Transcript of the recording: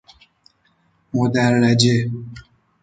مدرجه